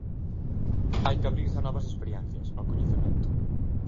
Hai que abrirse a novas experiencias, ó coñecemento.